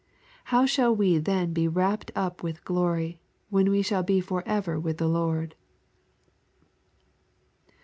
How shaU we then be rapt up with glory, when we shall be forever with the Lord